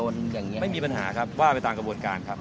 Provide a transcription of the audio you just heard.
ฮไม่มีปัญหาครับว่าไปต่างกับบอลการค์ครับ